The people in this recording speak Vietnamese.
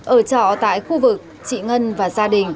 ở trọ tại khu vực chị ngân và gia đình